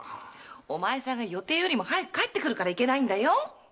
お前さんが予定より早く帰ってくるからいけないんだよ。